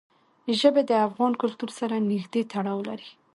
ژبې د افغان کلتور سره نږدې تړاو لري.